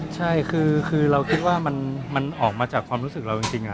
ใช่คือเราคิดว่ามันออกมาจากความรู้สึกเราจริง